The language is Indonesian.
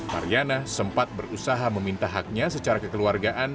mariana sempat berusaha meminta haknya secara kekeluargaan